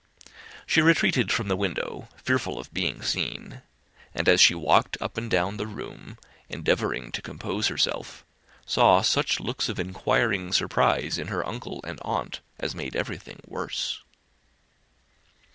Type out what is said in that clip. She retreated from the window, fearful of being seen; and as she walked up and down the room, endeavouring to compose herself, saw such looks of inquiring surprise in her uncle and aunt as made everything worse.